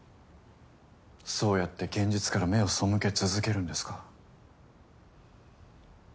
そうやって現実から目を背け続けるんですか？